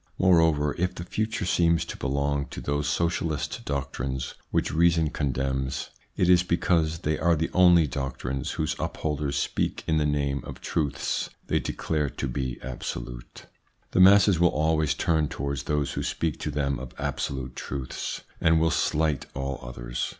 Moreover, if the future seems to belong to those socialist doctrines which reason condemns, it is because they are the only doctrines whose upholders speak in the name of truths they declare to be absolute. The masses will always turn towards those who speak to them of absolute truths, and will slight all others.